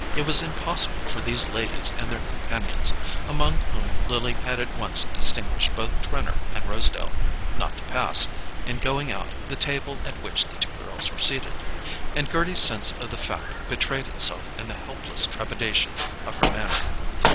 It was impossible for these ladies and their companions—among whom Lily had at once distinguished both Trenor and Rosedale—not to pass, in going out, the table at which the two girls were seated; and Gerty's sense of the fact betrayed itself in the helpless trepidation of her manner.